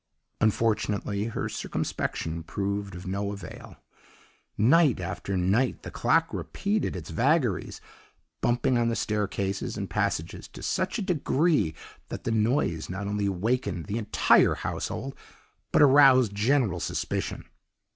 "Unfortunately, her circumspection proved of no avail; night after night the clock repeated its vagaries, bumping on the staircases and passages to such a degree that the noise not only awakened the entire household, but aroused general suspicion.